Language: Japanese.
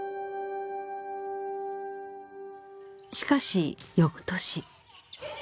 ［しかし翌年］